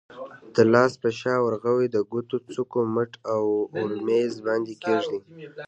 د لاس په شا، ورغوي، د ګوتو څوکو، مټ او اورمیږ باندې کېږدئ.